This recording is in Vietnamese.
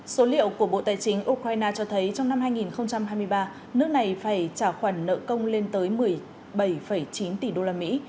số liệu của bộ tài chính ukraine cho thấy trong năm hai nghìn hai mươi ba nước này phải trả khoản nợ công lên tới một mươi bảy chín tỷ đô la mỹ